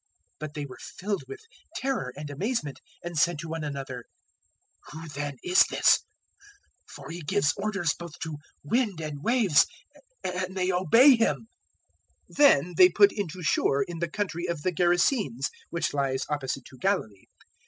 But they were filled with terror and amazement, and said to one another, "Who then is this? for He gives orders both to wind and waves, and they obey Him." 008:026 Then they put in to shore in the country of the Gerasenes, which lies opposite to Galilee.